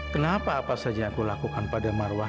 kenapa apa saja yang aku lakukan pada marwah